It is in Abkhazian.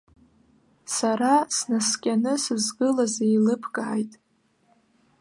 Сара снаскьаны сызгылаз еилыбкааит.